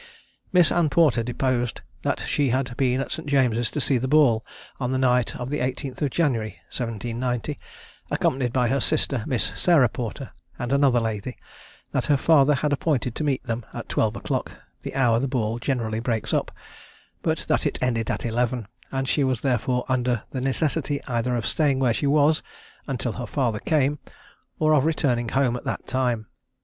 Miss Anne Porter deposed that she had been at St. James's to see the ball on the night of the 18th of January 1790, accompanied by her sister, Miss Sarah Porter, and another lady; that her father had appointed to meet them at twelve o'clock, the hour the ball generally breaks up; but that it ended at eleven, and she was therefore under the necessity either of staying where she was, until her father came, or of returning home at that time.